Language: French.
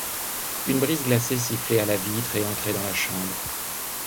Une bise glacée sifflait à la vitre et entrait dans la chambre.